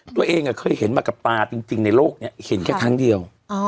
ตัวเองเคยเห็นมากับตาจริงในโลกนี้เห็นแค่ครั้งเดียว